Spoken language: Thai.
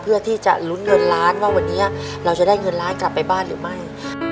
เพื่อที่จะลุ้นเงินล้านว่าวันนี้เราจะได้เงินล้านกลับไปบ้านหรือไม่